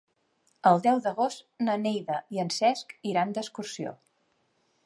El deu d'agost na Neida i en Cesc iran d'excursió.